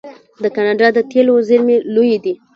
د کاناډا د تیلو زیرمې لویې دي.